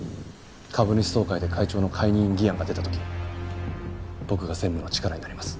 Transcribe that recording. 株主総会で会長の解任議案が出た時僕が専務の力になります。